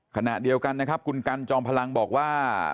ขณะเดียวกันนะครับคุณกันจอมพลังบอกว่า